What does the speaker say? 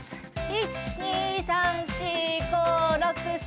１２３４５６７